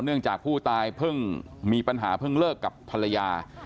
จากผู้ตายเพิ่งมีปัญหาเพิ่งเลิกกับภรรยา